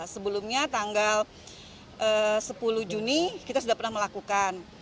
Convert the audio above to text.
sebelumnya tanggal sepuluh juni kita sudah pernah melakukan